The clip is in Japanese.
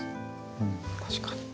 うん確かに。